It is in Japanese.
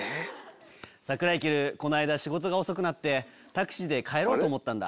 サクライケルこの間仕事が遅くなってタクシーで帰ろうと思ったんだ。